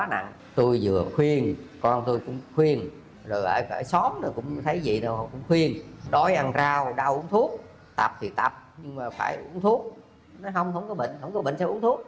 nói không không có bệnh không có bệnh sẽ uống thuốc